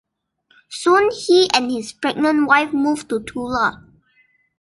Soon he and his pregnant wife moved to Tula.